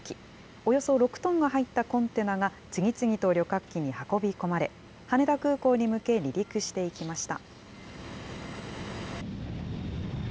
およそ６トンが入ったコンテナが、次々と旅客機に運び込まれ、羽田空港に向け、離陸していきました。